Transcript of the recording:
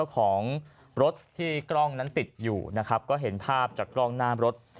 ของรถที่กล้องนั้นติดอยู่นะครับก็เห็นภาพจากกล้องหน้ารถ